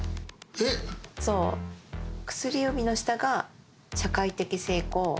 薬指の下が社会的成功。